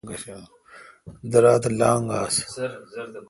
دراتھ لاگ آس۔